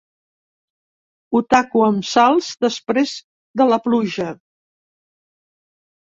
Ho taco amb sals després de la pluja.